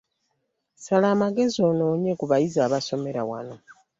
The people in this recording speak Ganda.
Sala amagezi onoonye ku bayizi abaasomera wano.